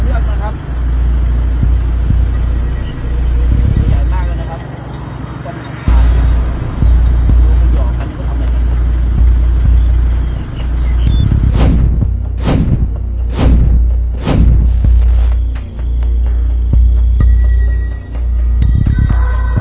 อย่าลืมวันละครั้งเวลาตะกดกรังของใหม่